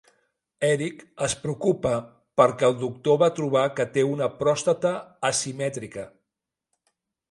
Eric es preocupa perquè el doctor va trobar que té una pròstata asimètrica.